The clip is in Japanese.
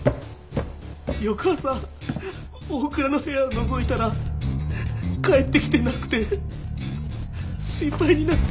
翌朝大倉の部屋をのぞいたら帰ってきてなくて心配になって。